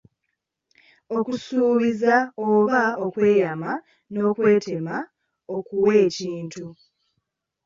Okusuubiza oba okweyama n'okwetema okuwa ekintu.